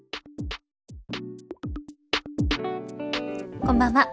こんばんは。